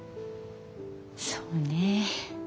そうね